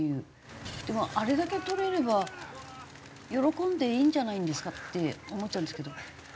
でもあれだけとれれば喜んでいいんじゃないんですか？って思っちゃうんですけど。